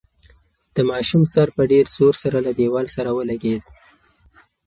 د ماشوم سر په ډېر زور سره له دېوال سره ولګېد.